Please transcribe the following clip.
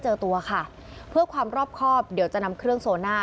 เจอตัวค่ะเพื่อความรอบครอบเดี๋ยวจะนำเครื่องโซน่า